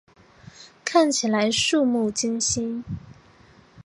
看起来怵目惊心